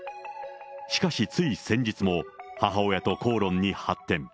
しかし、つい先日も母親と口論に発展。